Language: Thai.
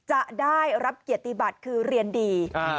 จะได้รับเกียรติบัติคือเรียนดี